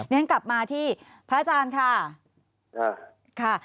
ฉันกลับมาที่พระอาจารย์ค่ะ